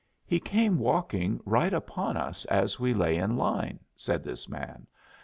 "He came walking right upon us as we lay in line," said this man.